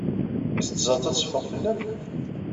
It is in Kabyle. Tis tẓat ad teffeɣ fell-am?